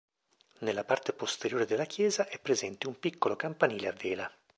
Nella parte posteriore della chiesa è presente un piccolo campanile a vela.